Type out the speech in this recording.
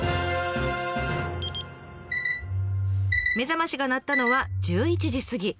目覚ましが鳴ったのは１１時過ぎ。